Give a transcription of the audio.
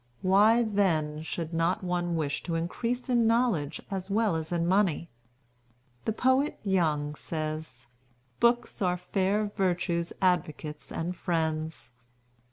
Why, then, should not one wish to increase in knowledge as well as in money? The poet Young says, 'Books are fair Virtue's advocates and friends.'